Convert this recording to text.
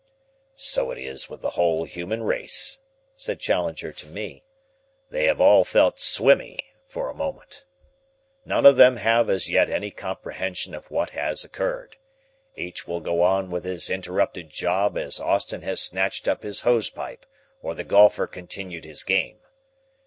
"So it is with the whole human race," said Challenger to me. "They have all felt swimmy for a moment. None of them have as yet any comprehension of what has occurred. Each will go on with his interrupted job as Austin has snatched up his hose pipe or the golfer continued his game.